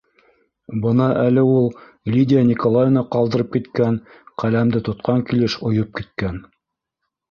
Бына әле ул Лидия Николаевна ҡалдырып киткән ҡәләмде тотҡан килеш ойоп киткән...